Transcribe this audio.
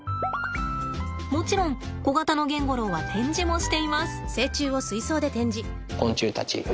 もちろんコガタノゲンゴロウは展示もしています。